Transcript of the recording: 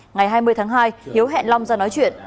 ngày hai mươi tháng hai hiếu hẹn long ra nói chuyện